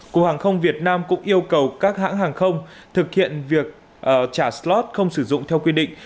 cục hàng không việt nam cũng yêu cầu các hãng hàng không thực hiện việc trả slot không sử dụng theo quy định